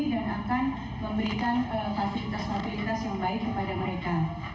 dan akan memberikan fasilitas fasilitas yang baik kepada mereka